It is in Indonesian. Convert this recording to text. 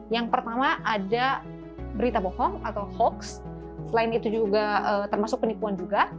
yang pertama ada berita bohong atau hoax termasuk penipuan juga